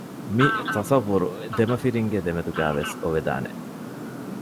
މި ތަޞައްވުރު ދެމަފިންގެ ދެމެދުގައި ވެސް އޮވެދާނެ